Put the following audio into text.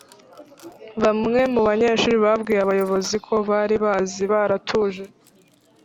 Bamwe mu banyeshuri babwiye abayoboziko baribabizi baratuje